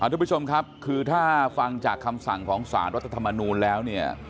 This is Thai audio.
ทุกผู้ชมครับคือถ้าฟังจากคำสั่งของสารรัฐธรรมนูลแล้วเนี่ย